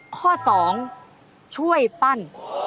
ข้อสองช่วยปั้น